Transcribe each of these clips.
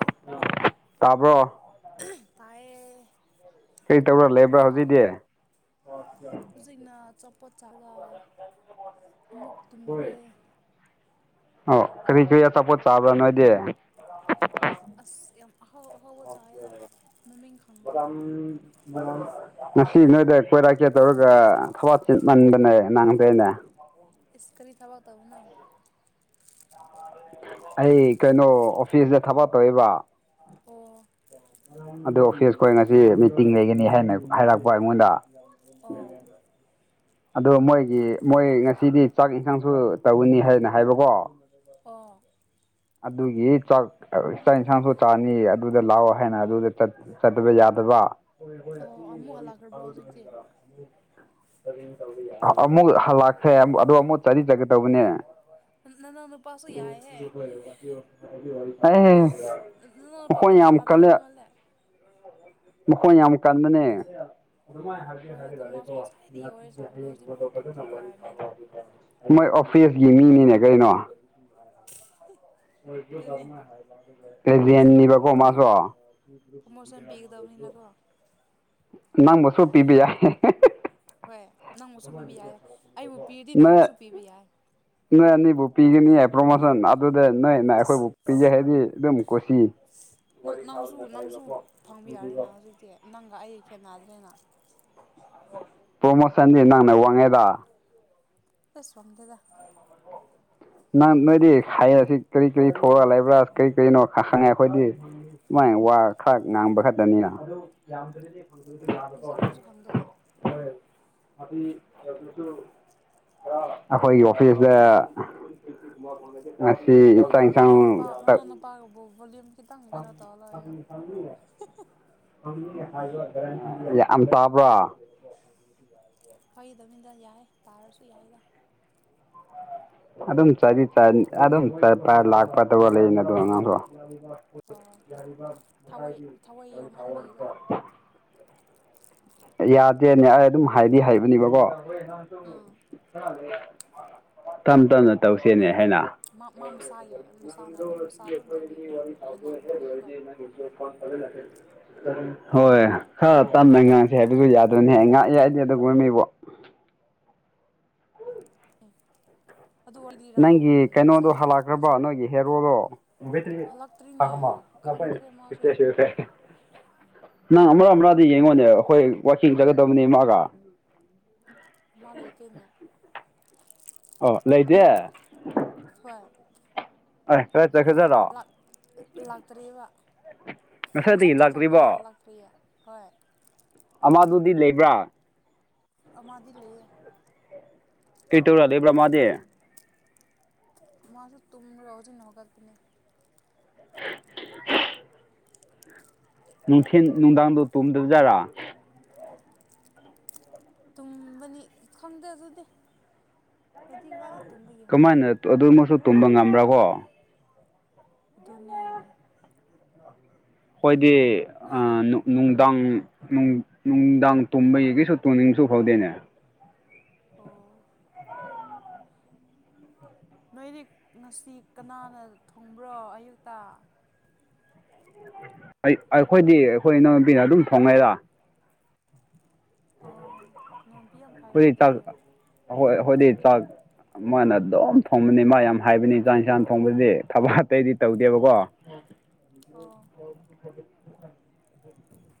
ꯑ ꯎꯝ ꯇꯥꯕ꯭ꯔꯣ ꯇꯥꯏꯌꯦ ꯀꯩ ꯇꯧꯔꯥ ꯂꯩꯕ꯭ꯔꯥ ꯍꯧꯖꯤꯛꯇꯤ ꯍꯨꯖꯤꯛꯅ ꯑꯆꯥꯄꯣꯠ ꯆꯥꯔꯒ ꯑꯃꯨꯛ ꯍꯣꯏ ꯇꯨꯝꯈ꯭ꯔꯦ ꯑꯣ ꯀꯔꯤ ꯀꯔꯤ ꯑꯆꯥꯄꯣꯠ ꯆꯥꯕ꯭ꯔꯥ ꯅꯣꯏꯗꯤ ꯑꯁ ꯌꯥꯝ ꯑꯍꯥꯎ ꯑꯍꯥꯎꯕ ꯆꯥꯥꯏꯑꯦꯗ ꯃꯃꯤꯡ ꯈꯪꯗꯦꯕꯥ ꯉꯁꯤ ꯅꯣꯏꯗ ꯀꯣꯏꯔꯛꯀꯦ ꯇꯧꯔꯒ ꯊꯋꯥꯛ ꯆꯤꯠꯃꯟꯗꯅ ꯅꯪꯗ꯭ꯔꯦꯅꯦ ꯏꯁ ꯀꯔꯤ ꯊꯕꯛ ꯇꯧꯕꯅꯣ ꯑꯩ ꯀꯩꯅꯣ ꯑꯣꯐꯤꯁꯇ ꯊꯕꯛ ꯇꯧꯑꯦꯕ ꯑꯣ ꯑꯗꯨ ꯑꯣꯐꯤꯁ ꯈꯣꯏ ꯉꯁꯤ ꯃꯤꯇꯤꯡ ꯂꯩꯒꯅꯤ ꯍꯥꯏꯅ ꯍꯥꯏꯔꯛꯄ ꯑꯩꯉꯣꯟꯗ ꯑꯣ ꯑꯗꯣ ꯃꯣꯏꯒꯤ ꯃꯣꯏ ꯉꯁꯤꯗꯤ ꯆꯥꯛ ꯏꯟꯁꯥꯡꯁꯨ ꯇꯧꯅꯤ ꯍꯥꯏꯅ ꯍꯥꯏꯕꯀꯣ ꯑꯣ ꯑꯗꯨꯒꯤ ꯆꯥꯛ ꯑ ꯆꯥꯛ ꯏꯟꯁꯥꯡꯁꯨ ꯆꯥꯅꯤ ꯑꯗꯨꯗ ꯂꯥꯛꯑꯣ ꯍꯥꯏꯅ ꯑꯗꯨꯗ ꯆꯠ ꯆꯠꯇꯕ ꯌꯥꯗꯕ ꯑꯣ ꯑꯃꯨꯛ ꯍꯜꯂꯛꯈ꯭ꯔꯕ꯭ꯔꯣ ꯍꯧꯖꯤꯛꯇꯤ ꯑꯥ ꯑꯃꯨꯛ ꯍꯜꯂꯛꯈ꯭ꯔꯦ ꯑꯥ ꯑꯗꯨ ꯑꯃꯨꯛ ꯆꯇꯤ ꯆꯠꯀꯦ ꯇꯧꯕꯅꯦ ꯅꯥꯅꯥꯎ ꯅꯨꯄꯥꯁꯨ ꯌꯥꯏꯍꯦ ꯑꯩꯍꯦ ꯅꯅꯥꯎ ꯅꯨꯄꯥ ꯃꯈꯣꯏ ꯌꯥꯝ ꯀꯜꯂꯦ ꯄꯣꯊꯥꯗ꯭ꯔꯤꯕ ꯃꯥꯜꯂꯦ ꯃꯈꯣꯟ ꯌꯥꯝ ꯀꯟꯕꯅꯦ ꯍꯣꯏ ꯑꯗꯨ ꯃꯥꯁꯨ ꯉꯁꯥꯏꯗꯒꯤ ꯋꯥꯔꯤ ꯁꯥꯕꯗꯣ ꯍꯧꯖꯤꯛꯐꯥꯎ ꯇꯣꯛꯇ꯭ꯔꯤꯕ꯭ꯔꯥ ꯍꯥꯏꯕꯅꯤꯗ [unintelligible] ꯃꯣꯏ ꯑꯣꯐꯤꯁꯀꯤ ꯃꯤꯅꯤꯅꯦ ꯀꯔꯤꯅꯣ [unintelligible] ꯄ꯭ꯔꯥꯃꯣ ꯄ꯭ꯔꯥꯃꯣꯁꯟ ꯄꯤꯒꯗꯕꯅꯤꯅꯀꯣ ꯅꯪꯕꯨꯁꯨ ꯄꯤꯕ ꯌꯥꯏ ꯍꯦ ꯍꯦ ꯍꯦ [unintelligible] ꯄꯤꯕ ꯌꯥꯏ ꯑꯩꯕꯨ ꯄꯤꯔꯗꯤ [unintelligible] ꯅꯪꯕꯨꯁꯨ ꯄꯤꯕ ꯌꯥꯏ ꯅꯣꯏꯅꯥ ꯑꯗꯨꯗ ꯅꯣꯏꯅ ꯑꯁ ꯑꯩꯈꯣꯏꯕꯨ ꯄꯤꯖꯒꯅꯤ ꯑꯗꯨꯝ ꯀꯣꯆꯤ ꯅꯪ ꯅꯪꯁꯨ ꯅꯪꯁꯨ ꯐꯪꯕ ꯌꯥꯔꯦꯅꯥ ꯍꯧꯖꯤꯛꯇꯤ ꯅꯪꯒ ꯑꯩ ꯈꯦꯠꯅꯗ꯭ꯔꯦꯅ ꯄ꯭ꯔꯃꯣꯁꯟꯗꯤ ꯅꯪꯅ ꯋꯥꯡꯉꯦꯗꯥ ꯑꯁ ꯋꯥꯡꯗꯦꯗ ꯅꯪ ꯅꯣꯏꯗꯤ ꯈꯏꯌꯥꯁꯦ ꯀꯔꯤ ꯀꯔꯤ ꯊꯣꯛꯑ ꯂꯩꯕ꯭ꯔꯥ ꯀꯔꯤ ꯀꯔꯤꯅꯣ ꯈꯪꯉꯦ ꯑꯩꯈꯣꯏꯗꯤ ꯁꯨꯃꯥꯏꯅ ꯋꯥ ꯈꯔ ꯉꯥꯡꯕ ꯈꯛꯇꯅꯤꯅ ꯏꯁ ꯑꯩꯈꯣꯏꯁꯨ ꯐꯪꯗꯦꯗ [unintelligible] ꯑꯩꯈꯣꯏꯒꯤ ꯑꯣꯐꯤꯁꯇ ꯉꯁꯤ ꯆꯥꯛ ꯏꯟꯁꯥꯡ ꯃꯃꯥ ꯃꯄꯥꯕꯨꯡ ꯕꯣꯂꯤꯝ ꯈꯤꯇꯪ ꯀꯤꯅꯣ ꯇꯧꯔꯂꯣꯢ ꯌꯣ ꯍꯤꯍꯤ [unintelligible] ꯌꯥꯝ ꯇꯥꯕ꯭ꯔꯥ ꯐꯒꯤ ꯇꯧꯅꯤꯗ ꯌꯥꯏ ꯇꯥꯔꯁꯨ ꯌꯥꯏꯗ ꯑꯗꯨꯝ ꯆꯥꯢꯗꯤ ꯆꯥꯢꯔꯤ ꯑꯗꯨꯝ ꯆꯠꯄ ꯂꯥꯛꯄ ꯇꯧꯔ ꯂꯩꯕ ꯅꯥꯠꯇꯔꯣ ꯑꯉꯥꯡꯗꯣ ꯑꯣ ꯊꯋꯩ ꯊꯋꯩ ꯌꯥꯎꯃꯟꯕꯒꯤꯀꯣ ꯌꯥꯗꯦꯅꯦ ꯑꯩ ꯑꯗꯨꯝ ꯍꯥꯏꯗꯤ ꯍꯥꯏꯕꯅꯤꯕꯀꯣ ꯑꯥ ꯇꯝ ꯇꯝꯅ ꯇꯧꯁꯦ ꯅꯦ ꯍꯥꯏꯅ ꯃꯥ ꯃꯥ ꯃꯁꯥꯒꯤ ꯑꯣꯏ ꯃꯁꯥꯅ ꯑꯗꯨꯝ ꯃꯆꯥ ꯑꯗꯨꯝ ꯇꯧꯕꯤ ꯑꯣꯏꯔꯝꯅꯤ ꯍꯥꯢꯅꯈ꯭ꯔꯕꯒꯤꯀꯣ [unintelligible] ꯍꯣꯏ ꯈꯔ ꯇꯞꯅ ꯉꯥꯡ ꯍꯥꯏꯕꯖꯨ ꯌꯥꯗꯣꯏꯅꯦ ꯉꯥꯛ ꯑꯩꯗꯤ ꯑꯗꯨꯒꯨꯝꯕ ꯃꯤꯕꯣ ꯑꯦ ꯑꯗꯨ ꯋꯥꯔꯤ ꯂꯤꯔꯛꯑꯣ ꯅꯪꯒꯤ ꯀꯩꯅꯣꯗꯣ ꯉꯁꯥꯏꯒꯤ ꯍꯜꯂꯛꯈ꯭ꯔꯕꯣ ꯉꯁꯥꯏ ꯅꯣꯏꯒꯤ ꯍꯦꯔꯣꯗꯣ ꯍꯜꯂꯛꯇ꯭ꯔꯤꯅꯦ ꯈꯪꯗ꯭ꯔꯦ ꯃꯥꯁꯦ [unintelligible] ꯅꯪ ꯑꯃ꯭ꯔꯥ ꯑꯃ꯭ꯔꯥꯗꯤ ꯌꯦꯡꯉꯣꯅꯦ ꯑꯈꯣꯏ ꯋꯥꯥꯀꯤꯡ ꯆꯠꯒꯗꯕꯅꯦ ꯃꯥꯒ ꯃꯥ ꯂꯩꯇꯦꯅꯦ ꯑꯣ ꯂꯩꯗꯦ ꯍꯣꯏ ꯑꯣꯢ ꯀꯔꯥꯏ ꯆꯈ꯭ꯔꯖꯔꯣ ꯂꯥꯛ ꯂꯥꯛꯇ꯭ꯔꯤꯕ ꯉꯁꯥꯏꯗꯒꯤ ꯉꯁꯥꯏ ꯆꯠꯊꯣꯛꯄꯗꯣ ꯂꯥꯛꯇ꯭ꯔꯤꯕꯣ ꯂꯛ ꯀ꯭ꯔꯤ ꯍꯣꯏ ꯑꯃꯗꯨꯗꯤ ꯂꯩꯕ꯭ꯔꯥ ꯑꯃꯗꯤ ꯂꯩꯌꯦ ꯀꯩ ꯇꯧꯔ ꯂꯩꯕ꯭ꯔꯥ ꯃꯥꯗꯤ ꯃꯥꯁꯨ ꯇꯨꯝꯔꯒ ꯍꯨꯖꯤꯛꯅ ꯍꯧꯒꯠꯄꯅꯦ [inaudible] ꯅꯨꯡꯊꯤꯟ ꯅꯨꯡꯗꯥꯡꯗꯣ ꯇꯨꯝꯗꯕꯖꯥꯔꯥ ꯇꯨꯝꯕꯅꯤ ꯈꯪꯗꯦ ꯑꯗꯨꯗꯤ ꯍꯥꯏꯗꯤ ꯉꯥꯅ ꯀꯃꯥꯏꯅ ꯑꯗꯨꯃꯁꯨ ꯇꯨꯝꯕ ꯉꯝꯕ꯭ꯔ ꯀꯣ ꯑꯗꯨꯅꯦ ꯈꯣꯏꯗꯤ ꯑ ꯅꯣꯏꯗꯤ ꯅꯨ ꯅꯨꯡꯗꯥꯡ ꯅꯨꯡ ꯅꯨꯡꯗꯥꯡ ꯇꯨꯝꯕꯩ ꯀꯩꯁꯨ ꯇꯨꯝꯅꯤꯡꯕꯁꯨ ꯐꯥꯎꯗꯦꯅꯦ ꯑꯣ ꯅꯣꯏꯗꯤ ꯉꯁꯤ ꯀꯅꯥꯅ ꯊꯣꯡꯕ꯭ꯔꯣ ꯑꯌꯨꯛꯇ ꯑꯩ ꯑꯩꯈꯣꯏꯗꯤ ꯑꯩꯈꯣꯏ ꯏꯅꯥꯎꯅꯨꯄꯤꯅ ꯑꯗꯨꯝ ꯊꯣꯡꯉꯦꯗ ꯑꯣ ꯅꯪꯗꯤ ꯌꯥꯝ ꯐꯩꯅꯦ ꯑꯗꯨꯗꯤ ꯍꯣꯏ ꯑꯩꯈꯣꯏꯗꯤ ꯆꯥꯛ ꯃꯥꯅ ꯑꯗꯨꯝ ꯊꯣꯡꯕꯅꯤ ꯃꯥ ꯌꯥꯝ ꯍꯥꯏꯕꯅꯤ ꯆꯥꯛ ꯏꯟꯁꯥꯡ ꯊꯣꯡꯕꯗꯤ ꯊꯕꯛ ꯑꯇꯩꯗꯤ ꯇꯧꯗꯦꯕꯀꯣ ꯑꯣ ꯑꯣ [unintelligible]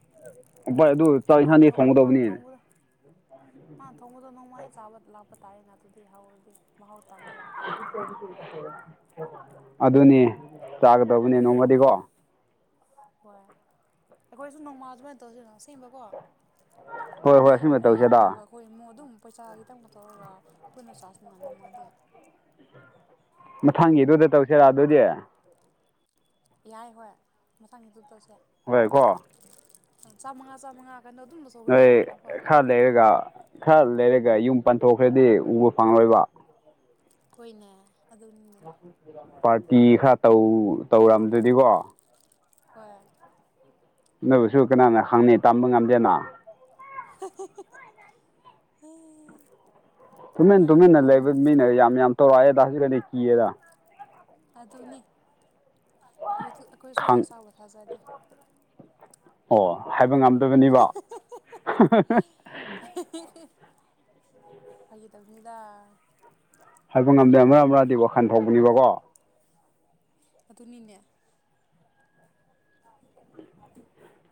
ꯍꯣꯏ ꯑꯗꯨ ꯆꯥꯛ ꯃꯅꯥ ꯏꯟꯁꯥꯡꯗꯤ ꯊꯣꯡ ꯃꯅꯥ ꯊꯣꯡꯒꯗꯧꯕꯅꯤ ꯊꯣꯡꯕꯗꯨ ꯃꯥ ꯊꯣꯡꯕꯗꯣ ꯅꯣꯡ ꯑꯩ ꯆꯥꯕ ꯂꯥꯛꯄ ꯇꯥꯔꯦꯅꯥ ꯑꯗꯨꯗꯤ ꯍꯧꯔꯗꯤ ꯃꯍꯥꯎ ꯇꯝꯕ ꯂꯥꯛ [unintelligible] ꯑꯗꯨꯅꯦ ꯆꯥꯒꯗꯧꯕꯅꯦ ꯅꯣꯡꯃꯗꯤꯀꯣ ꯍꯣꯏ ꯑꯩꯈꯣꯏꯁꯨ ꯅꯣꯡꯃꯥ ꯑꯁꯨꯃꯥꯏ ꯇꯧꯁꯤꯔ ꯁꯦꯝꯕꯀꯣ ꯍꯣꯏ ꯍꯣꯏ ꯅꯣꯏ ꯑꯁꯤꯃ ꯅꯣꯏ ꯇꯧꯁꯦꯗ ꯏꯃꯨꯡꯒ ꯈꯣꯏ ꯏꯃꯨ ꯑꯗꯨꯝ ꯄꯩꯁꯥ ꯈꯤꯇꯪ ꯄꯨꯊꯣꯔ ꯄꯨꯟꯅ ꯆꯥꯁꯤꯅ ꯅꯣꯡꯃꯗꯤ ꯃꯊꯪꯒꯤꯗꯨꯗ ꯇꯧꯁꯤꯔꯥ ꯑꯗꯨꯗꯤ ꯌꯥꯏ ꯍꯣꯏ ꯃꯊꯪꯒꯤꯗꯨ ꯇꯧꯁꯦ ꯍꯣꯏ ꯀꯣ [unintelligible] ꯆꯥꯝ ꯆꯥꯃꯉꯥ ꯆꯃꯉꯥ ꯀꯅꯣ ꯗꯨꯝꯕ ꯅꯣꯏ ꯈ꯭ꯔ ꯂꯩꯔꯒ ꯈ꯭ꯔ ꯂꯩꯔꯒ ꯌꯨꯝ ꯄꯟꯊꯣꯛꯈ꯭ꯔꯗꯤ ꯎꯕ ꯐꯪꯉꯣꯏꯕ ꯈꯣꯏꯅꯦ [unintelligible] ꯄꯥꯔꯇꯤ ꯈꯔ ꯇꯧ ꯇꯧꯔꯝꯗ꯭ꯔꯗꯤꯀꯣ ꯍꯣꯏ ꯑꯗꯨꯕꯨꯁꯨ ꯀꯅꯥꯅ ꯈꯪꯅꯤ ꯇꯝꯕ ꯉꯝꯗꯦꯅ [unintelligible] ꯑꯦ ꯇꯨꯃꯤꯟ ꯅꯪꯅ ꯇꯨꯃꯤꯟꯅ ꯂꯩꯕ ꯃꯤꯅ ꯈꯟꯕꯁꯤꯗꯤ ꯌꯥꯝ ꯌꯥꯝ ꯇꯧꯔꯛꯑꯦꯗ ꯍꯧꯖꯤꯛꯀꯗꯤ ꯀꯤꯌꯦꯗ ꯑꯗꯨꯅꯤ ꯑꯩꯈꯣꯏꯊꯨ ꯑꯩꯈꯣꯏꯁꯨ ꯈꯪ ꯏꯁꯥꯕꯨ ꯊꯥꯖꯗꯦ ꯑꯣ ꯍꯥꯏꯕ ꯉꯝꯗꯕꯅꯤꯕ [unintelligible] [unintelligible] ꯐꯥꯒꯤ ꯇꯧꯅꯤꯗ ꯍꯥꯏꯕ ꯉꯝꯗꯦ ꯃꯔꯛ ꯃꯔꯛꯗꯤꯀꯣ ꯋꯥꯈꯟ ꯊꯣꯛꯄꯅꯦꯕꯀꯣ ꯑꯗꯨꯅꯤꯅꯦ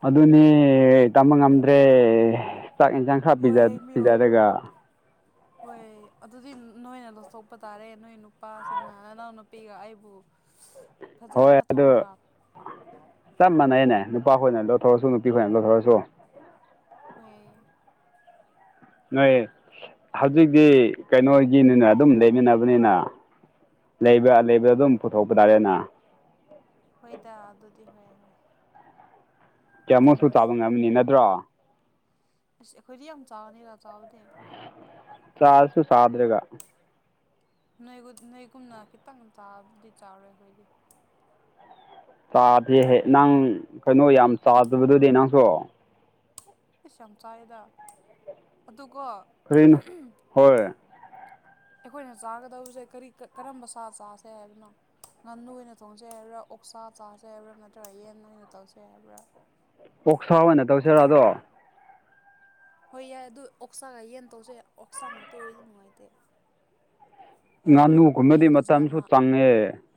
ꯑꯗꯨꯅꯦ ꯇꯝꯕ ꯉꯝꯗ꯭ꯔꯦ ꯆꯥꯛ ꯌꯦꯟꯁꯥꯡ ꯈꯔ ꯄꯤꯖ ꯍꯣꯏꯌꯦ ꯃꯤꯑꯣ ꯄꯤꯖꯔꯒ ꯍꯣꯏ ꯑꯗꯨꯗꯤ ꯅ ꯅꯣꯏꯅ ꯂꯧꯊꯣꯛꯄ ꯇꯥꯔꯦ ꯅꯣꯏ ꯅꯨꯄꯥꯁꯤꯡꯅ ꯅꯥꯅꯎ ꯅꯨꯄꯤꯒ ꯑꯩꯕꯨ [unintelligible] ꯍꯣꯏ ꯐꯖꯅ ꯑꯗꯨ ꯊꯣꯡꯉꯒ ꯆꯞ ꯃꯥꯟꯅꯩꯅꯦ ꯅꯨꯄꯥ ꯈꯣꯏꯅ ꯂꯧꯊꯣꯛ ꯑꯁꯨ ꯅꯨꯄꯤ ꯈꯣꯏꯅ ꯂꯧꯊꯣꯛ ꯑꯁꯨ ꯍꯣꯏꯌꯦ ꯅꯣꯏ ꯍꯧꯖꯤꯛꯇꯤ ꯀꯩꯅꯣꯒꯤꯅꯤꯅ ꯑꯗꯨꯝ ꯂꯩꯃꯤꯟꯅꯕꯅꯤꯅ ꯂꯩꯕ ꯂꯩꯕ ꯑꯗꯨꯝ ꯄꯨꯊꯣꯛꯄ ꯇꯥꯔꯦꯅ ꯍꯣꯏꯗ ꯑꯗꯨꯗꯤ ꯍꯣꯏ ꯍꯣꯏ ꯀꯌꯥꯃꯨꯛꯁꯨ ꯆꯨꯝꯃꯦ ꯆꯥꯕ ꯉꯝꯅꯤ ꯅꯠꯇ꯭ꯔꯣ ꯏꯁ ꯑꯩꯈꯣꯏꯗꯤ ꯌꯥꯝ ꯆꯥꯅꯤꯒ ꯆꯥꯕꯗꯤ ꯆꯥꯔꯁꯨ ꯁꯥꯗ꯭ꯔꯒ ꯅꯣꯏꯒꯨ ꯅꯣꯏꯒꯨꯝꯅ ꯈꯤꯇꯪ ꯆꯥꯕꯗꯤ ꯆꯥꯔꯣꯏ ꯑꯈꯣꯏꯗꯤ ꯆꯥꯗꯦꯍꯦ ꯅꯪ ꯀꯩꯅꯣ ꯌꯥꯝ ꯆꯥꯗꯕꯗꯨꯗꯤ ꯅꯪꯁꯨ ꯏꯁ ꯌꯥꯝ ꯆꯥꯏꯌꯦꯗ ꯑꯗꯨꯀꯣ ꯀꯔꯤꯟ ꯍꯣꯏ ꯑꯩꯈꯣꯏꯅ ꯆꯥꯒꯗꯕꯁꯦ ꯀꯔꯤ ꯀ ꯀꯔꯝꯕ ꯁꯥ ꯆꯥꯁꯦ ꯍꯥꯏꯕꯅꯣ [unintelligible] ꯉꯥꯅꯨ ꯑꯣꯏꯅ ꯊꯣꯡꯁꯦ ꯍꯥꯏꯕ꯭ꯔꯥ ꯑꯣꯛꯁꯥ ꯆꯥꯥꯁꯦ ꯍꯥꯏꯕ꯭ꯔꯥ ꯅꯠꯇ꯭ꯔꯒ ꯌꯦꯟ ꯑꯣꯏꯅ ꯇꯧꯁꯦ ꯍꯥꯏꯕ꯭ꯔꯥ ꯑꯣꯛꯁꯥ ꯑꯣꯏꯅ ꯇꯧꯁꯤꯔꯥ ꯑꯗꯣ ꯍꯣꯏ ꯌꯥꯏ ꯑꯗꯨ ꯑꯣꯛꯁꯥꯒ ꯌꯦꯟ ꯇꯧꯁꯦ ꯑꯣꯛꯁꯥ ꯉꯥꯛꯇ ꯑꯣꯏꯔꯗꯤ ꯅꯨꯡꯉꯥꯏꯇꯦ ꯌꯥꯏꯅ ꯌꯦꯟ ꯉꯥꯅꯨꯒꯨꯝꯕꯗꯤ ꯀꯦꯖꯤ ꯑꯃ [unintelligible]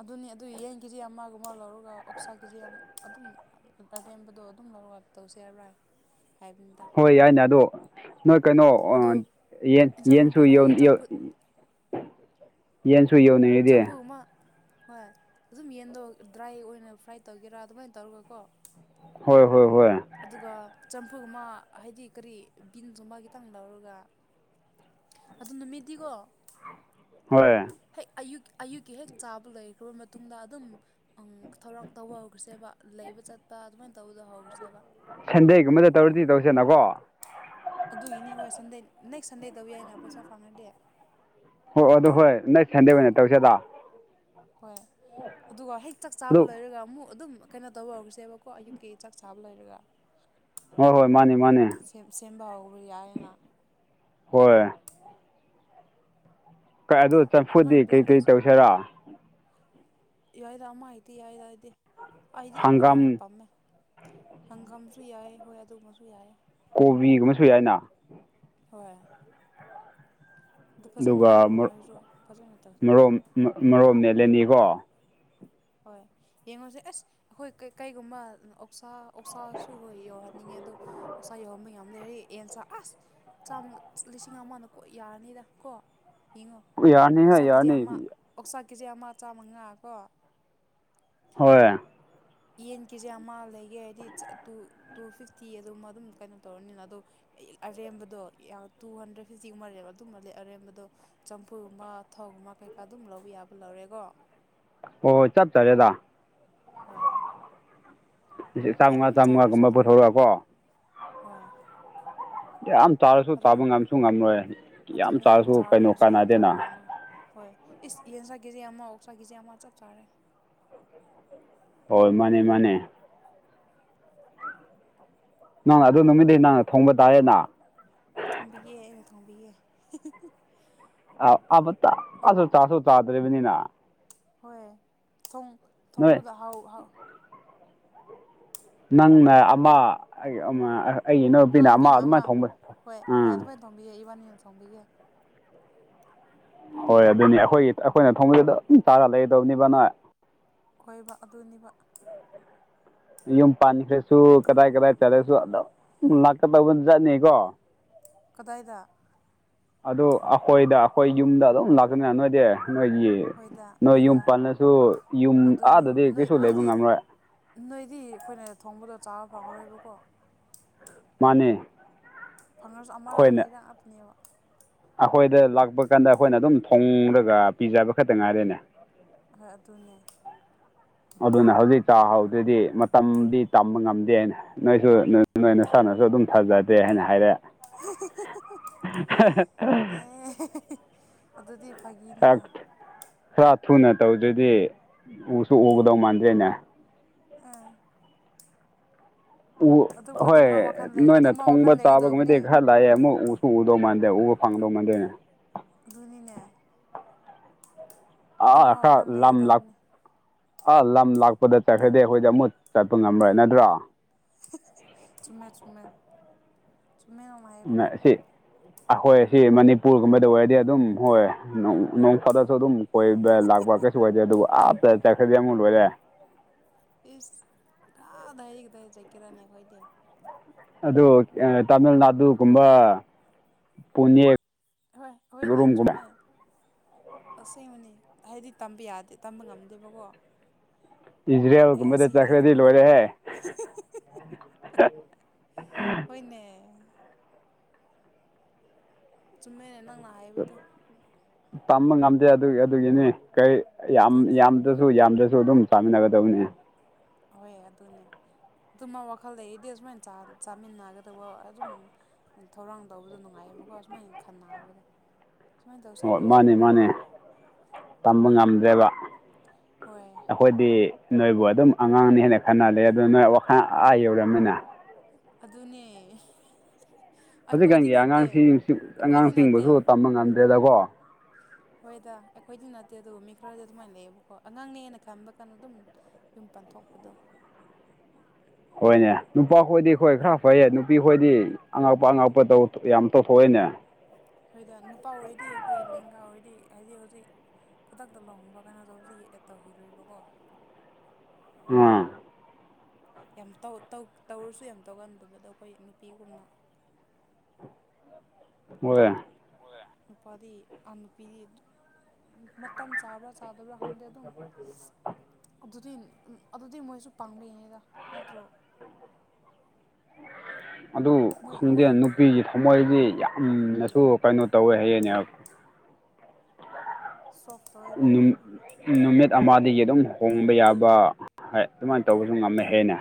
ꯑꯗꯨꯅꯦ ꯑꯗꯨ ꯌꯦꯟ ꯀꯦꯖꯤ ꯑꯃꯒꯨꯝꯕ ꯂꯧꯔꯒ ꯑꯣꯛꯁꯥ ꯀꯦꯖꯤ ꯑꯝ ꯑꯗꯨꯝ ꯑꯔꯦꯝꯕꯗꯣ ꯑꯗꯨꯝ ꯂꯧꯔ ꯇꯧꯁꯦ ꯍꯥꯏꯕ꯭ꯔꯥ ꯍꯥꯏꯕꯅꯤ ꯍꯣꯏ ꯌꯥꯏꯅꯦ ꯑꯗꯣ ꯅꯣꯏ ꯀꯩꯅꯣ ꯑꯥ ꯑꯗꯣ ꯌꯦꯟ ꯏꯟꯁꯥꯡ ꯌꯦꯟꯁꯨ ꯅꯨꯄꯤ ꯌꯣꯟ ꯍꯥꯏꯗꯤ ꯌꯣꯟ ꯆꯝꯐꯨꯠ ꯌꯦꯟꯁꯨ ꯌꯣꯟꯂꯤ ꯆꯝꯐꯨ ꯑꯃ ꯍꯣꯏ ꯑꯗꯨꯝ ꯌꯦꯟꯗꯣ ꯗ꯭ꯔꯥꯏ ꯑꯣꯏꯅ ꯐ꯭ꯔꯥꯏ ꯇꯧꯒꯦꯔꯥ ꯑꯗꯨꯃꯥꯏꯅ ꯇꯧꯔꯒꯀꯣ ꯍꯣꯏ ꯍꯣꯏ ꯍꯣꯏ ꯑꯗꯨꯒ ꯆꯝꯐꯨꯠꯒꯨꯝꯃ ꯍꯥꯏꯗꯤ ꯀꯔꯤ ꯕꯤꯟꯁꯀꯨꯝꯕ ꯈꯤꯇꯪ ꯂꯧꯔꯒ ꯑꯗꯨꯝ ꯅꯨꯃꯤꯠꯗꯤꯀꯣ ꯍꯣꯏꯌꯦ ꯍꯦꯛ ꯑꯌꯨꯛ ꯑꯌꯨꯛꯀꯤ ꯍꯦꯛ ꯆꯥꯕ ꯂꯩꯈ꯭ꯔꯕ ꯃꯇꯨꯡꯗ ꯑꯗꯨꯝ ꯑꯪ ꯊꯧꯔꯥꯡ ꯇꯧꯕ ꯍꯧꯈ꯭ꯔꯁꯦꯕ ꯂꯩꯕ ꯆꯠꯄ ꯑꯗꯨꯃꯥꯏꯅ ꯇꯧꯕꯗ ꯍꯧꯈ꯭ꯔꯁꯦꯕ ꯁꯟꯗꯦꯒꯨꯝꯕꯗ ꯇꯧꯔꯗꯤ ꯇꯧꯁꯦꯅꯀꯣ ꯑꯗꯨꯒꯤꯅꯤ ꯍꯣꯏ ꯁꯟꯗꯦ ꯅꯦꯛꯁ ꯁꯟꯗꯦ ꯇꯧ ꯌꯥꯏꯅ ꯄꯩꯁꯥ ꯐꯪꯉꯗꯤ ꯑꯣ ꯍꯣꯏ ꯑꯗꯣ ꯍꯣꯏ ꯅꯦꯛꯁ ꯁꯟꯗꯦ ꯑꯣꯏꯅ ꯇꯧꯁꯦꯗ ꯍꯣꯏ ꯑꯗꯨꯒ ꯍꯦꯛ ꯆꯥꯛ ꯆꯥꯕ ꯑꯗꯨ ꯂꯣꯏꯔꯒ ꯑꯃꯨꯛ ꯑꯗꯨꯝ ꯀꯩꯅꯣ ꯇꯧꯕ ꯍꯧꯔꯁꯦꯕꯀꯣ ꯑꯌꯨꯛꯀꯤ ꯆꯥꯛ ꯆꯥꯕ ꯂꯣꯏꯔꯒ ꯍꯣꯏ ꯍꯣꯏ ꯃꯥꯅꯦ ꯃꯥꯅꯦ ꯁꯦꯝ ꯁꯦꯝꯕ ꯍꯧꯕ ꯌꯥꯏꯌꯦꯅ ꯍꯣꯏ [unintelligible] ꯑꯗꯨꯃꯥꯢ ꯀꯩ ꯄꯂꯥꯟ ꯀꯩ ꯇꯧꯁꯦ ꯇꯧꯁꯤꯔꯥ ꯌꯥꯏꯗ ꯑꯃꯥ ꯍꯦꯛꯇꯥ ꯌꯥꯏꯗ ꯑꯩꯗꯤ ꯑꯩꯗꯤ ꯑꯥ ꯍꯪꯒꯥꯝ ꯀꯩꯅꯣꯅ ꯄꯝꯃꯦ ꯍꯪꯒꯥꯝꯁꯨ ꯌꯥꯏꯌꯦ ꯍꯣꯏ ꯑꯗꯨꯝꯕꯁꯨ ꯌꯥꯏꯌꯦ ꯀꯣꯕꯤꯒꯨꯝꯕ ꯁꯨ ꯌꯥꯏꯅ ꯍꯣꯏ ꯑꯗꯨ ꯐꯖꯅ ꯑꯗꯨꯒ ꯍꯥꯏꯔꯣ ꯅꯣꯏꯁꯨ ꯐꯖꯅ ꯇꯧꯁꯦ [unintelligible] ꯍꯣꯏ ꯌꯦꯡꯉꯨꯁꯦ ꯑꯁ ꯑꯈꯣꯏ ꯀꯩꯒꯨꯝꯕ ꯑꯣꯛꯁꯥ ꯑꯣꯛꯁꯥꯁꯨ ꯍꯣꯏ ꯌꯧꯍꯟꯅꯤꯡꯉꯦ ꯑꯗꯣ ꯑꯣꯛꯁꯥ ꯌꯥꯎꯍꯟꯕ ꯌꯥꯝ ꯂꯩꯔꯦ ꯑꯦꯟꯁꯥ ꯑꯁ ꯆꯥꯃ ꯂꯤꯁꯤꯡ ꯑꯃꯅ ꯀꯣꯛ ꯌꯥꯔꯅꯤꯗ ꯀꯣ ꯌꯦꯡꯉꯣ ꯌꯥꯔꯅꯤꯍꯦ ꯑꯣꯛꯁꯥ ꯀꯦ ꯖꯤ ꯌꯥꯔꯅꯤ ꯑꯃ ꯑꯣꯛꯁꯥ ꯀꯦꯖꯤ ꯑꯃ ꯆꯥꯃꯉꯥ ꯀꯣ ꯍꯣꯏ ꯌꯦꯟ ꯀꯦꯖꯤ ꯑꯃ ꯂꯩꯒꯦ ꯍꯥꯏꯗꯤ ꯇꯨ ꯇꯨ ꯐꯤꯐꯇꯤ ꯑꯗꯨꯝ ꯑꯗꯨꯝ ꯀꯩꯅꯣ ꯇꯧꯔꯅꯤꯅ ꯑꯗꯣ ꯑꯔꯦꯝꯕꯗꯣ ꯌꯥꯝ ꯇꯨ ꯍꯟꯗ꯭ꯔꯦꯠ ꯐꯤꯇꯤ ꯑꯗꯨꯃ ꯑꯔꯦꯝꯕꯗꯣ ꯆꯝꯐꯨꯠꯒꯨꯝꯕ ꯊꯥꯎꯒꯨꯝꯕ ꯀꯩꯀꯥ ꯑꯗꯨꯝ ꯂꯧꯕ ꯌꯥꯕ ꯂꯧꯔꯦꯒꯣ ꯍꯣꯏ ꯍꯣꯏ ꯆꯞ ꯆꯔꯦꯗ ꯍꯣꯏ ꯌꯥꯝ ꯆꯝꯉꯥ ꯆꯥꯗ꯭ꯔꯁꯨ ꯆꯝꯉꯥꯒꯨꯝꯕ ꯑꯗꯨꯝ ꯄꯨꯊꯣꯔꯒ ꯀꯣ ꯍꯣꯏ ꯌꯥꯝ ꯆꯥꯔꯁꯨ ꯆꯥꯕ ꯉꯝꯁꯨ ꯉꯝꯂꯣꯏ ꯑꯗꯨꯅꯦ ꯌꯥꯝ ꯆꯥꯔꯁꯨ ꯀꯩꯅꯣ ꯆꯥꯒꯦꯁꯨ ꯌꯥꯝ ꯆꯥꯕ ꯀꯥꯟꯅꯗꯦꯅ ꯉꯝꯃꯣꯏ ꯍꯣꯏ ꯏꯁ ꯌꯦꯟꯁꯥ ꯀꯦꯖꯤ ꯑꯃ ꯑꯣꯛꯁꯥ ꯀꯦꯖꯤ ꯑꯃ ꯆꯞ ꯆꯥꯔꯦ ꯍꯣꯏ ꯃꯥꯅꯦ ꯃꯥꯅꯦ ꯅꯪ ꯑꯗꯨ ꯅꯨꯃꯤꯠꯇꯗꯤ ꯅꯪꯅ ꯊꯣꯡꯕ ꯇꯥꯔꯦꯅ ꯊꯣꯡꯕꯤꯒꯦ ꯑꯩꯅ ꯊꯣꯡꯕꯤꯒꯦ ꯑꯃꯇ ꯍꯥꯎ ꯆꯥꯁꯨ ꯆꯥꯗ꯭ꯔꯤꯕꯅꯤꯅ ꯍꯣꯏ ꯊꯣꯡ ꯅꯣꯏ ꯊꯣꯡꯕꯗ ꯍꯥꯎ ꯍꯥꯎ ꯅꯪꯅ ꯑꯃ ꯑꯩꯒꯤ ꯑꯃ ꯑꯩꯒꯤ ꯅꯨꯄꯤꯅ ꯑꯃ ꯑꯗꯨꯃꯥꯏꯟ ꯊꯣꯡꯕ ꯍꯣꯏ ꯍꯣꯏ ꯎꯝ ꯑꯗꯨꯃꯥꯏꯅ ꯊꯣꯡꯕꯤꯒꯦ ꯢꯕꯥꯟꯅꯤꯅ ꯊꯣꯡꯕꯤꯒꯦ ꯍꯣꯏ ꯑꯗꯨꯅꯤ ꯑꯈꯣꯏꯒꯤ ꯑꯈꯣꯏꯅ ꯊꯣꯡꯕꯗꯨ ꯑꯗꯨꯝ ꯆꯥꯔ ꯂꯩꯒꯗꯕꯅꯤꯕ ꯅꯣꯢ ꯈꯣꯏꯕ ꯑꯗꯨꯅꯤꯕ ꯌꯨꯝ ꯄꯥꯟꯈ꯭ꯔꯁꯨ ꯀꯗꯥꯏ ꯀꯗꯥꯏ ꯆꯠꯂꯁꯨ ꯑꯗꯨꯝ ꯂꯥꯛꯀꯗꯧꯕ ꯖꯥꯠꯅꯤꯀꯣ ꯀꯗꯥꯏꯗ ꯑꯗꯨ ꯑꯈꯣꯏꯗ ꯑꯈꯣꯏ ꯌꯨꯝꯗ ꯑꯗꯨꯝ ꯂꯥꯀꯅꯦ ꯅꯣꯏꯗꯤ ꯅꯣꯏꯒꯤ ꯍꯣꯏꯗ ꯅꯣꯏ ꯌꯨꯝ ꯍꯣꯏꯗ ꯄꯜꯂꯁꯨ ꯌꯨꯝ ꯑꯗꯨꯅꯤ ꯑꯥꯗꯗꯤ ꯅꯣꯏ ꯀꯩꯁꯨ ꯂꯩꯕ ꯅꯣꯏꯗꯤ ꯉꯝꯔꯣꯏ ꯅꯣꯏꯗꯤ ꯑꯈꯣꯏꯅ ꯊꯣꯡꯕꯗꯣ ꯆꯥꯕ ꯐꯪꯉꯔꯣꯏꯕꯀꯣ ꯃꯥꯅꯦ ꯐꯪꯉꯁꯨ ꯑꯃꯔꯛ ꯑꯅꯤꯔꯛ ꯉꯥꯛꯇꯅꯦꯕ ꯑꯈꯣꯏꯗ ꯂꯥꯛꯄ ꯀꯥꯟꯗ ꯑꯈꯣꯏꯅ ꯑꯗꯨꯝ ꯊꯣꯡꯔꯒ ꯄꯤꯖꯕ ꯈꯛꯇ ꯉꯥꯏꯔꯦꯅꯦ ꯍꯣꯏ ꯑꯗꯨꯅꯦ ꯑꯗꯨꯅ ꯍꯧꯖꯤꯛ ꯆꯥꯍꯧꯗ꯭ꯔꯗꯤ ꯃꯇꯝꯗꯤ ꯇꯝꯕ ꯉꯝꯗꯦ ꯅꯣꯏꯁꯨ ꯅꯣꯏ ꯅꯣꯏ ꯅꯥꯁꯥꯟꯅꯁꯨ ꯑꯗꯨꯝ ꯊꯥꯖꯗꯦ ꯍꯥꯏꯅ ꯍꯥꯏꯔꯦ [unintelligible] ꯑꯗꯨꯗꯤ ꯐꯥꯒꯤꯅꯤꯗ ꯈꯔ ꯊꯨꯅ ꯇꯧꯗ꯭ꯔꯗꯤ ꯎꯁꯨ ꯎꯒꯗꯧ ꯃꯥꯟꯗꯦꯅꯦ ꯑꯥ ꯎ ꯑꯗꯨ ꯍꯣꯏ ꯑꯗꯨꯒꯨꯝꯕ ꯋꯥꯈꯜ ꯂꯩ ꯅꯣꯏꯅ ꯑꯗꯨꯒꯨꯝꯕ ꯊꯣꯡꯕ ꯋꯥꯈꯜ ꯂꯩꯒꯗꯧꯕꯅꯦ ꯆꯥꯕꯒꯨꯝꯕꯗꯤ ꯈꯟ ꯇꯥꯏꯌꯦ ꯑꯃꯨꯛ ꯎꯁꯨ ꯎꯗꯧ ꯃꯥꯟꯗꯦ ꯎꯕ ꯐꯪꯗꯧ ꯃꯥꯟꯗꯦ ꯑꯗꯨꯅꯤꯅꯦ ꯑꯥ ꯑꯗꯨꯒꯨꯝꯕ ꯈꯔ ꯋꯥꯈꯜ ꯂꯝ ꯂꯛ ꯂꯩꯒꯗꯕꯅꯤ ꯑꯥ ꯂꯝ ꯂꯥꯛꯄꯗ ꯆꯠꯈ꯭ꯔꯗꯤ ꯑꯈꯣꯏꯗꯤ ꯑꯃꯨꯠ ꯆꯠꯄ ꯉꯝꯔꯣꯏ ꯅꯠꯇ꯭ꯔꯣ ꯆꯨꯝꯃꯦ ꯆꯨꯝꯃꯦ ꯆꯨꯝꯃꯦ ꯅ ꯍꯥꯏꯕꯗꯣ ꯁꯤ ꯑꯈꯣꯏ ꯁꯤ ꯃꯅꯤꯄꯨꯔꯒꯨꯝꯕꯗ ꯑꯣꯏꯔꯗꯤ ꯑꯗꯨꯝ ꯀꯣꯏ ꯅꯣꯡ ꯐꯥꯗꯣꯛꯁꯨ ꯑꯗꯨꯝ ꯀꯣꯢꯕ ꯂꯥꯛꯄ ꯀꯩꯁꯨ ꯀꯥꯏꯗꯦ ꯑꯗꯨꯕꯨ ꯑꯥꯗ ꯆꯠꯈ꯭ꯔꯗꯤ ꯑꯃꯨꯛ ꯂꯣꯏꯔꯦ ꯏꯁ ꯀꯥ ꯗꯥꯏ ꯀꯗꯥꯏ ꯆꯠꯀꯦꯔꯅꯦ ꯑꯈꯣꯢꯗꯤ ꯑꯗꯨ ꯑꯥ ꯇꯥꯃꯤꯜꯅꯥꯗꯨꯒꯨꯝꯕ ꯄꯨꯅꯦ ꯍꯣꯏ ꯍꯣꯏꯅꯦ ꯆꯨꯝꯃꯦ ꯔꯣꯝꯒꯨꯝꯕ ꯑꯁꯦꯡꯕꯅꯦ ꯍꯥꯏꯗꯤ ꯇꯝꯕ ꯌꯥꯗꯦ ꯇꯝꯕ ꯉꯝꯗꯦꯕꯀꯣ ꯑꯦ ꯏꯖ꯭ꯔꯦꯜꯒꯨꯝꯕꯗ ꯑꯁꯤꯒꯤ ꯆꯠꯈ꯭ꯔꯗꯤ ꯂꯩꯐꯝꯗ ꯂꯣꯏꯔꯦꯍꯦ [unintelligible] ꯍꯣꯏꯅꯦ ꯆꯨꯝꯃꯦꯅꯦ ꯅꯪꯅ ꯍꯥꯏꯕꯗꯣ ꯇꯝꯕ ꯉꯝꯗꯦ ꯑꯗꯨ ꯑꯗꯨꯒꯤꯅꯤ ꯀꯔꯤ ꯌꯥꯝ ꯑꯗꯨꯅꯦ ꯌꯥꯝ ꯗ꯭ꯔꯁꯨ ꯌꯥꯝꯗ꯭ꯔꯁꯨ ꯑꯗꯨꯝ ꯆꯥꯃꯤꯟꯅꯒꯗꯕꯅꯤꯍꯦ ꯍꯣꯏ ꯑꯗꯨꯅꯦ ꯑꯗꯨꯝꯃ ꯋꯥꯈꯜ ꯂꯩꯔꯗꯤ ꯑꯁꯨꯃꯥꯏꯟ ꯆꯥ ꯆꯥꯃꯤꯟꯅꯒꯗꯧꯕ ꯑꯗꯨꯝ ꯊꯧꯔꯥꯡ ꯇꯧꯕꯗꯣ ꯅꯨꯡꯉꯥꯏꯌꯦꯕꯀꯣ ꯑꯁꯨꯃꯥꯏꯟ ꯈꯟꯅꯕꯗꯣ ꯁꯨꯃꯥꯏꯟ ꯇꯧꯁꯦ ꯍꯣꯏ ꯇꯧꯁꯦꯅ ꯃꯥꯅꯦ ꯃꯥꯅꯦ ꯍꯥꯏꯕꯗꯣ ꯇꯝꯕ ꯎꯝ ꯍꯣꯏ ꯈꯣꯏꯗꯤ ꯅꯣꯏꯕꯨ ꯑꯗꯨꯝ ꯑꯉꯥꯡꯅꯦ ꯍꯥꯏꯅ ꯈꯟꯅꯔꯦ ꯑꯗꯣ ꯅꯣꯏ ꯋꯥꯈꯜ ꯑꯥ ꯌꯧꯔꯝꯃꯦꯅ ꯑꯗꯨꯅꯦ [unintelligible] ꯑꯩꯈꯣꯏꯗꯤ ꯍꯧꯖꯤꯛꯀꯥꯟꯒꯤ ꯅꯠꯇꯦ ꯑꯉꯥꯡꯁꯤ ꯁꯨ ꯑꯩꯈꯣꯏꯗꯤ ꯅꯠꯇꯦ ꯝꯑꯉꯥꯡꯁꯤꯡꯕꯨꯁꯨ ꯇꯝꯕ ꯉꯝꯗ꯭ꯔꯦꯗꯀꯣ ꯍꯣꯏꯗ ꯑꯩꯈꯣꯏꯗꯤ ꯅꯠꯇꯦ ꯑꯗꯨꯕꯨ ꯃꯤ ꯈꯔꯗꯤ ꯑꯗꯨꯃꯥꯏꯟ ꯂꯩꯌꯦꯕꯀꯣ ꯑꯉꯥꯡꯅꯦꯅ ꯈꯟꯕ ꯀꯥꯟꯗ ꯑꯗꯨꯝ ꯌꯨꯝ ꯄꯥꯟꯊꯣꯛꯄꯗꯣ ꯍꯣꯏꯅꯦ ꯅꯨꯄꯥ ꯈꯣꯏꯗꯤ ꯍꯣꯏ ꯑꯩꯈꯣꯏ ꯈꯔ ꯐꯩꯌꯦ ꯅꯨ ꯄꯤꯍꯣꯏꯗꯤ ꯑꯉꯛꯄ ꯑꯉꯛꯄ ꯇꯧ ꯌꯥꯝ ꯇꯧꯊꯣꯛꯑꯦꯅꯦ ꯍꯣꯏꯗ ꯅꯨꯄꯥ ꯑꯣꯏꯔꯗꯤ ꯑꯈꯣꯏ ꯂꯦꯡꯒꯥ ꯑꯣꯏꯔꯗꯤ ꯍꯥꯏꯗꯤ ꯍꯧꯖꯤꯛ ꯈꯨꯗꯛꯇ ꯂꯨꯍꯣꯡꯕ ꯀꯩꯅꯣ [unintelligible] ꯑꯦꯗ ꯇꯧꯈꯤꯔꯣꯏꯕꯀꯣ ꯑꯉꯥꯡ ꯌꯥꯝ ꯇꯧ ꯇꯧ ꯇꯧꯔꯁꯨ ꯌꯥꯝ ꯇꯧꯒꯥꯟꯗꯕꯗꯣ ꯑꯩꯈꯣꯏ ꯅꯨꯄꯤꯒꯨꯝꯅ [unintelligible] [unintelligible] ꯅꯨꯄꯥꯗꯤ ꯑꯥ ꯅꯨꯄꯤꯗꯤ ꯃꯇꯝ ꯆꯥꯕ꯭ꯔꯥ ꯆꯥꯗꯕ꯭ꯔꯥ ꯈꯪꯗꯦ ꯑꯗꯨꯝ ꯑꯗꯨꯗꯤ ꯑꯗꯨꯗꯤ ꯃꯣꯏꯁꯨ ꯄꯪꯕꯒꯤꯅꯤꯗ ꯅꯠꯇ꯭ꯔꯣ ꯑꯗꯨ ꯃꯣꯏ ꯈꯪꯗꯦ ꯃꯣꯏ ꯅꯨꯄꯤꯒꯤ ꯊꯝꯃꯣꯏꯗꯤ ꯌꯥꯝꯅꯁꯨ ꯀꯩꯅꯣ ꯇꯧꯋꯦ ꯍꯥꯏꯌꯦꯅꯦ ꯁꯣꯐ ꯇꯧꯋꯦꯕ ꯅꯨꯃꯤꯠ ꯑꯃꯗꯒꯤ ꯑꯗꯨꯝ ꯍꯣꯡꯕ ꯌꯥꯕ ꯍꯣꯏ ꯑꯗꯨꯃꯥꯏꯅ ꯇꯧꯕꯁꯨ ꯉꯝꯃꯦ ꯍꯥꯏꯌꯦꯅꯦ